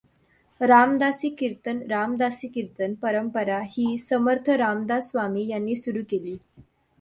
रामदासी कीर्तन रामदासी कीर्तन परंपरा ही समर्थ रामदास स्वामी यांनी सुरू केली.